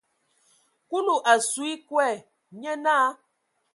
Kulu a su ekɔɛ, nye naa.